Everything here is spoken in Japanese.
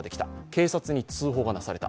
警察に通報がなされた。